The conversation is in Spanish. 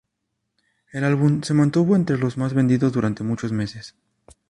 El álbum se mantuvo entre los más vendidos durante muchos meses.